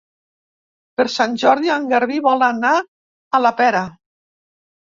Per Sant Jordi en Garbí vol anar a la Pera.